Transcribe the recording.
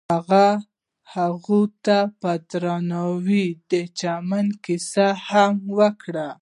هغه هغې ته په درناوي د چمن کیسه هم وکړه.